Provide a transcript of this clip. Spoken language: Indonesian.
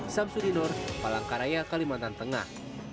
samsudi nur palangkaraya kalimantan tengah